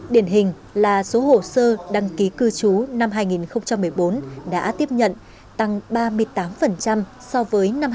điển hình là số hồ sơ đăng ký cư trú năm hai nghìn một mươi bốn đã tiếp nhận tăng ba mươi tám so với năm hai nghìn một mươi bảy